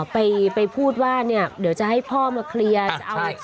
ไปพูดว่าเดี๋ยวจะให้พ่อมาเคลียร์